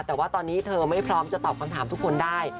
แต่ว่าตอนนี้เธอไม่พร้อมจะตอบคำถามทุกคนได้